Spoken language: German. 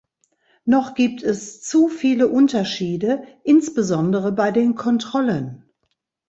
Noch gibt es zu viele Unterschiede, insbesondere bei den Kontrollen.